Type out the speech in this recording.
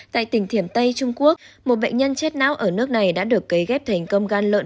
tại tỉnh thiểm tây trung quốc một bệnh nhân chết não ở nước này đã được cấy ghép thành công gan lợn